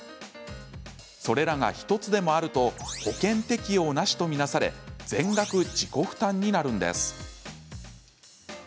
それらが１つでもあると保険適用なしと見なされ全額自己負担になるんです。